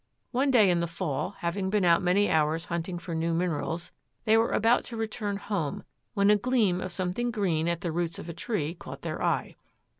One day in the fall, having been out many hours hunting for new minerals, they were about to return home when a gleam of something green at the roots of a tree caught their eye.